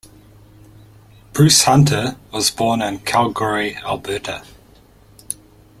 Bruce Hunter was born in Calgary, Alberta.